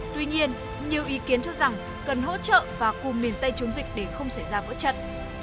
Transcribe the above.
tuy nhiên nhiều ý kiến cho rằng cần hỗ trợ và cùng miền tây chống dịch để không xảy ra vỡ trận